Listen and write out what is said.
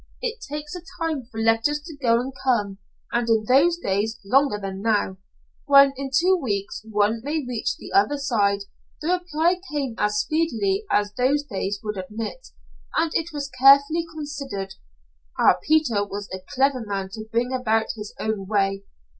It takes a time for letters to go and come, and in those days longer than now, when in two weeks one may reach the other side. The reply came as speedily as those days would admit, and it was carefully considered. Ah, Peter was a clever man to bring about his own way.